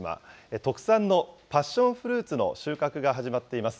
特産のパッションフルーツの収穫が始まっています。